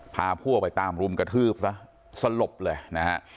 พาพวกไปตามรุมกระทืบซะสลบเลยนะฮะ